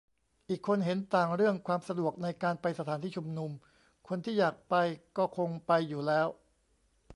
อีกคนเห็นต่างเรื่องความสะดวกในการไปสถานที่ชุมนุม คนที่อยากไปก็คงไปอยู่แล้ว